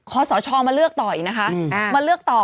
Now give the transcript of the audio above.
ขอสชมาเลือกต่ออีกนะคะมาเลือกต่อ